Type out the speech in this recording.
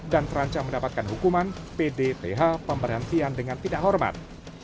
dan terancam mendapatkan hukuman pdth pemberhentian dengan tidak hormat